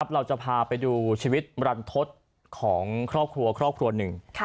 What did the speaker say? เราจะพาไปดูชีวิตบรรทศของครอบครัวครอบครัวหนึ่ง